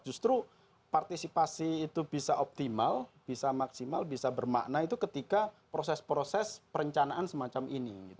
justru partisipasi itu bisa optimal bisa maksimal bisa bermakna itu ketika proses proses perencanaan semacam ini